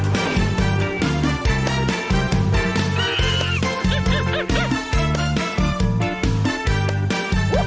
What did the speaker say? สวัสดีค่ะ